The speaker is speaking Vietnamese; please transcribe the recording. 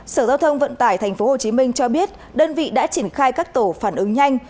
sở giao thông vận tải tp hcm cho biết đơn vị đã triển khai các tổ phản ứng nhanh